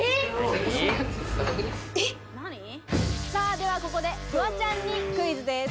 ではここで、フワちゃんにクイズです。